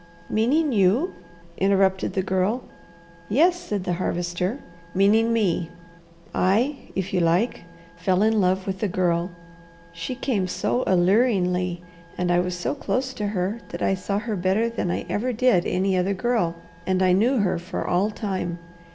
"Meaning you?" interrupted the Girl. "Yes," said the Harvester, "meaning me. I if you like fell in love with the girl. She came so alluringly, and I was so close to her that I saw her better than I ever did any other girl, and I knew her for all time.